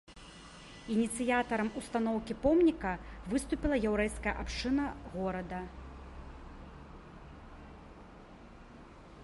Ініцыятарамі ўстаноўкі помніка выступіла яўрэйская абшчына гоарда.